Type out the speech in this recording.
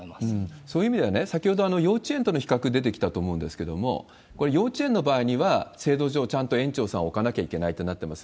そういう意味では、先ほど幼稚園との比較出てきたと思うんですけれども、これ、幼稚園の場合には、制度上、ちゃんと園長さんを置かなきゃいけないってなってます。